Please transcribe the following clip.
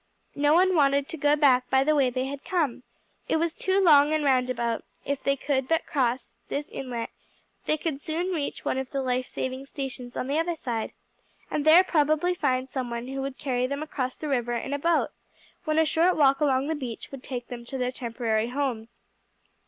No one wanted to go back by the way they had come, it was too long and roundabout; if they could but cross this inlet they could soon reach one of the life saving stations on the other side, and there probably find some one who would carry them across the river in a boat, when a short walk along the beach would take them to their temporary homes.